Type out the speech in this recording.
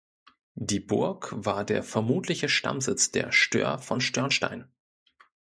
Die Burg war der vermutliche Stammsitz der Stör von Störnstein.